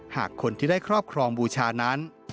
หากคนที่ได้ครอบครองบูชานั้น